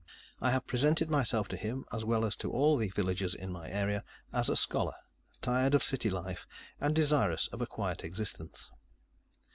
I have presented myself to him, as well as to all the villagers in my area, as a scholar, tired of city life, and desirous of a quiet existence.